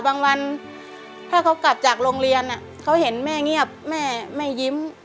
บางวันถ้าเขากลับจากโรงเรียนเขาเห็นแม่เงียบแม่แม่ยิ้ม